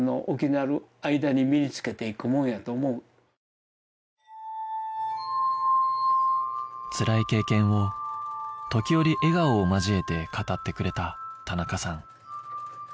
せやからつらい経験を時折笑顔を交えて語ってくれた田中さん